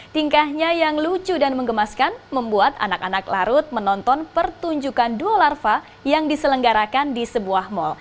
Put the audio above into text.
tingkahnya yang lucu dan mengemaskan membuat anak anak larut menonton pertunjukan dua larva yang diselenggarakan di sebuah mal